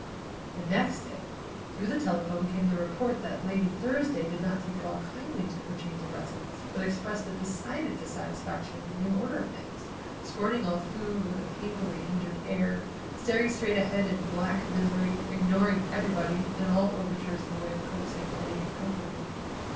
The next day through the telephone came the report that Lady Thursday did not take at all kindly to her change of residence, but expressed a decided dissatisfaction with the new order of things, scorning all food with a painfully injured air, staring straight ahead in black misery, ignoring everybody and all overtures in the way of coaxing, petting and comforting.